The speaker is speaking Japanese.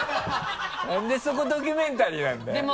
なんでそこドキュメンタリーなんだよ。